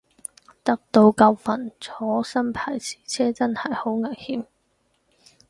得到教訓，坐新牌子車真係好危險